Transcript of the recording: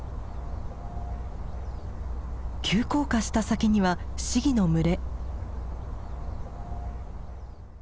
急降下した先にはシギの群れ。